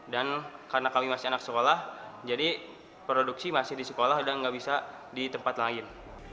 dan karena kami masih anak sekolah jadi produksi masih di sekolah dan tidak bisa di tempat lain